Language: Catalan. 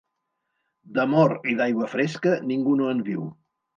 D'amor i d'aigua fresca, ningú no en viu.